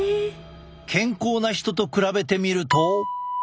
健康な人と比べてみると。